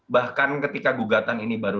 bahkan ketika gugatan ini baru